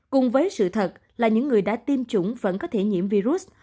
cùng với sự thật là những người đã tiêm chủng vẫn có thể nhiễm virus